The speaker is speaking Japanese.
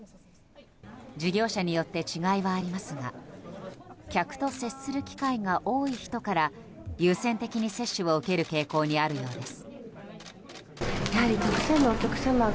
事業者によって違いはありますが客と接する機会が多い人から優先的に接種を受ける傾向にあるようです。